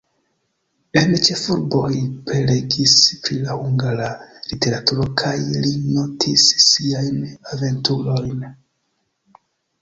En ĉefurboj li prelegis pri la hungara literaturo kaj li notis siajn aventurojn.